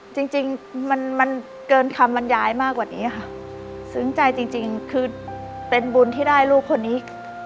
จริงจริงมันเกินคำบรรยายมากกว่านี้ค่ะซึ้งใจจริงคือเป็นบุญที่ได้ลูกคนนี้